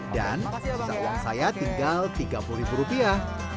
dan seorang saya tinggal tiga puluh rupiah